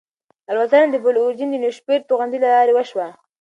الوتنه د بلو اوریجن د نیو شیپرډ توغندي له لارې وشوه.